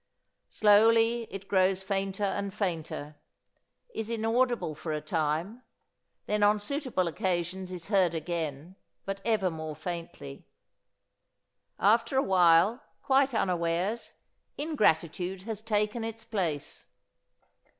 Slowly it grows fainter and fainter, is inaudible for a time, then on suitable occasions is heard again but ever more faintly. After a while, quite unawares, ingratitude has taken its place.